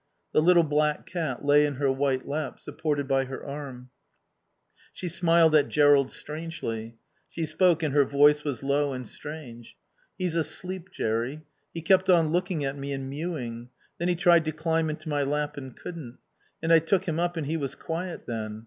The little black cat lay in her white lap, supported by her arm. She smiled at Jerrold strangely. She spoke and her voice was low and strange. "He's asleep, Jerry. He kept on looking at me and mewing. Then he tried to climb into my lap and couldn't. And I took him up and he was quiet then.